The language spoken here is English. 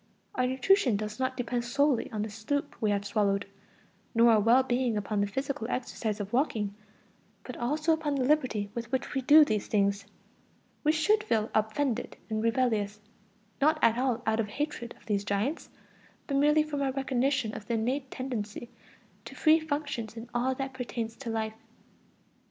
Our nutrition does not depend solely on the soup we have swallowed, nor our well being upon the physical exercise of walking, but also upon the liberty with which we do these things. We should feel offended and rebellious, not at all out of hatred of these giants, but merely from our recognition of the innate tendency to free functions in all that pertains to life.